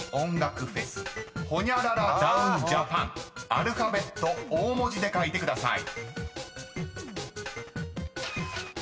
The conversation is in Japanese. ［アルファベット大文字で書いてください］